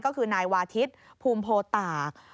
ก็คือนายวาทิศภูมิโพตาก